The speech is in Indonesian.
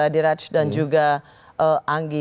diraj dan juga anggi